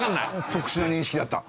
特殊な認識だった。